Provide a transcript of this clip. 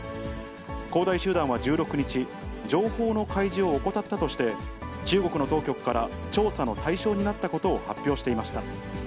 恒大集団は１６日、情報の開示を怠ったとして、中国の当局から調査の対象になったことを発表していました。